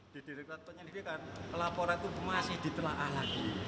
di direkturat penyelidikan laporan itu masih ditelaah lagi